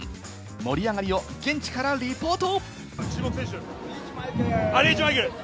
盛り上がりを現地からリポート！